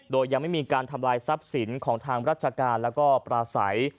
โดยยังไม่มีการทำลายทรัพย์สินของทางราชการแล้วก็ปราศัย